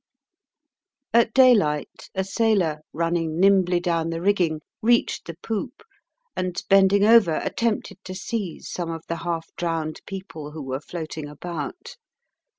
At daylight a sailor, running nimbly down the rigging, reached the poop, and, bending over, attempted to seize some of the half drowned people who were floating about.